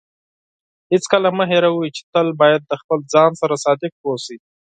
هیڅکله مه هېروئ چې تل باید د خپل ځان سره صادق اوسئ.